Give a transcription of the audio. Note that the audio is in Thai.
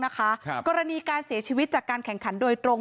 จะเป็นยังไงบ้างนะคะกรณีการเสียชีวิตจากการแข่งขันโดยตรง